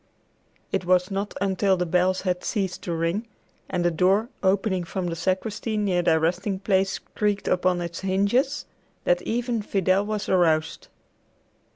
It was not until the bells had ceased to ring, and the door, opening from the sacristy near their resting place, creaked upon its hinges, that even Fidel was aroused.